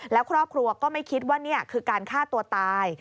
แล้วครอบครัวก็ไม่คิดว่านี่คือการฆ่าตัวตาย